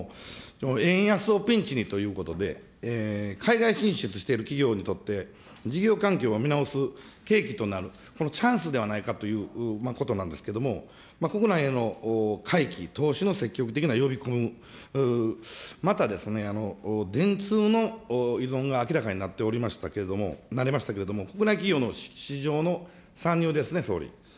円安のピンチにということで、海外進出している企業にとって、事業環境を見直す契機となる、このチャンスではないかということなんですけども、国内への回帰、投資の積極的な呼び込み、また電通の依存が明らかになっておりましたけれども、なりましたけれども、国内企業の市場の参入ですね、総理。